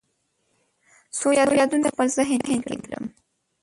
څو یادونه په خپل ذهن کې کرم